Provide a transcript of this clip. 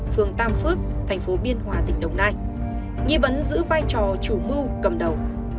phường tam phước tp biên hòa tỉnh đồng nai nghi vấn giữ vai trò chủ mưu cầm đầu